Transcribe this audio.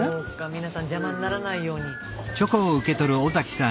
皆さん邪魔にならないように。